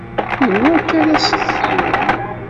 Yenwa akka ara s-tdum